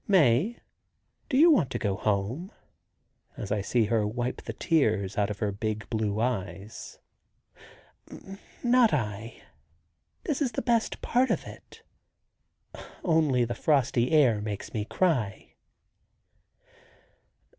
"Mae, do you want to go home?" as I see her wipe the tears out of her big blue eyes. "Not I; this is the best part of it. Only the frosty air makes me cry."